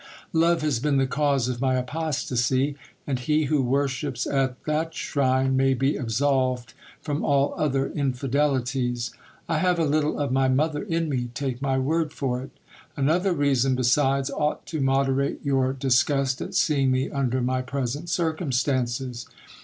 Love has been the cause of my apostasy, and he who worships at that shrine may be absolved from all other infidelities. I have a little of my mother in me, take my word for it. Another reason besides ought to moderate your dis gust at seeing me under my present circumstances.